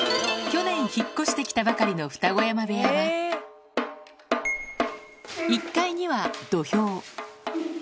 去年引っ越してきたばかりの二子山部屋は、１階には土俵。